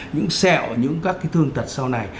những sẹo những các cái thương tật sau này